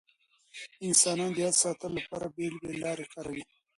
انسانان د یاد ساتلو لپاره بېلابېل لارې کاروي.